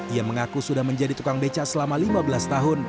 ia mengaku sudah menjadi tukang beca selama lima belas tahun